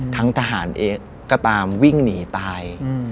ทหารเองก็ตามวิ่งหนีตาย